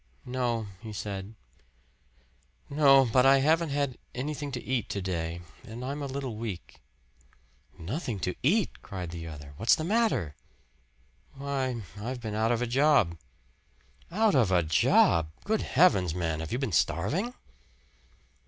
"No," he said "no, but I haven't had anything to eat to day, and I'm a little weak." "Nothing to eat!" cried the other. "What's the matter?" "Why, I've been out of a job." "Out of a job? Good heavens, man, have you been starving?"